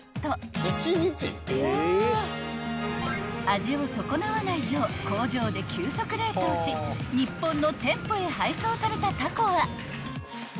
［味を損なわないよう工場で急速冷凍し日本の店舗へ配送されたタコは］